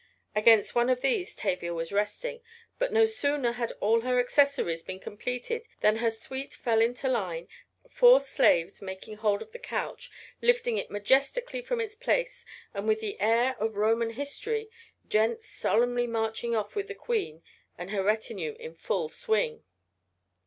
Against one of these Tavia was resting, but no sooner had all her accessories been completed than her suite fell into line, four "slaves" making hold of the couch, lifting it majestically from its place, and with the air of Roman history, "gents" solemnly marching off with the queen and her retinue in full swing.